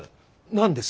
何です？